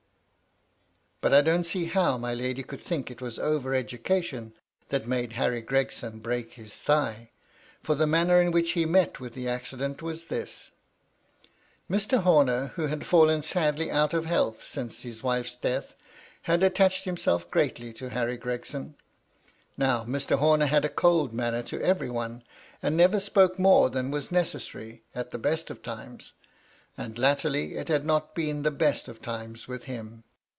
But I don't see how my lady could think it was over education that made Harry Gregson break his thigh, for the manner in which he met with the accident was this :— Mr. Homer, who had fallen sadly out of health since liis wife's death, had attached himself greatly to Harry Gregson. Now, Mr. Homer had a cold manner to every one, and never spoke more than was necessary, at the best of times. And, latterly, it had not been the best of times with him.